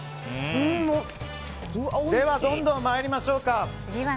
では、どんどん参りましょうか。